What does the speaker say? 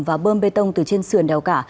và bơm bê tông từ trên sườn đèo cả